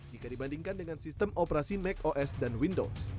jika dibandingkan dengan sistem operasi mac os dan windows